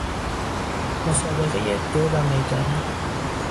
مسابقه دو و میدانی